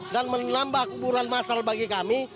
dan menambah keburuhan masal bagi kami